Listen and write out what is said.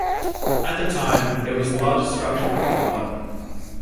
At the time, it was the largest structure in Colorado.